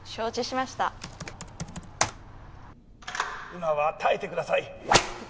「今は耐えてください」